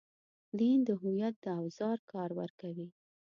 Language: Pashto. دین د هویت د اوزار کار ورکوي.